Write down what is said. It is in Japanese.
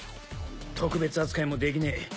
特別扱いもできねえ。